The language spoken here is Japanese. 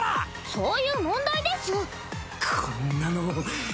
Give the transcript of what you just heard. そういう問題です。